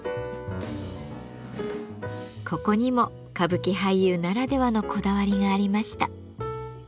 ここにも歌舞伎俳優ならではのこだわりがありました。